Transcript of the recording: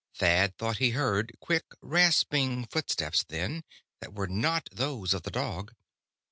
Thad thought he heard quick, rasping footsteps, then, that were not those of the dog.